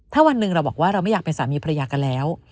ถ้าวันหนึ่งเราบอกว่าเราไม่อยากเป็นสามีภรรยากันแล้ว